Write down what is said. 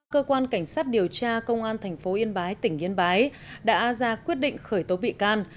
cơ quan cảnh sát điều tra công an tp yên bái tỉnh yên bái đã ra quyết định khởi tố bị can